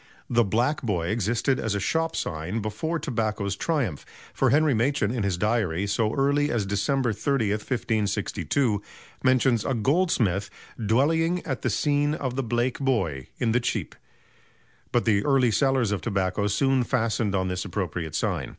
The "Black Boy" existed as a shop sign before tobacco's triumph, for Henry Machyn in his "Diary," so early as December 30, 1562, mentions a goldsmith "dwellying at the sene of the Blake Boy, in the Cheep"; but the early sellers of tobacco soon fastened on this appropriate sign.